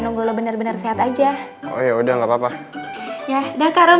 nunggu lo bener bener sehat aja oh ya udah nggak papa ya udah kareman